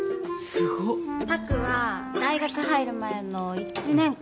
すご拓は大学入る前の１年間？